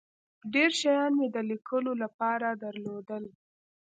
ډیر شیان مې د لیکلو له پاره درلودل.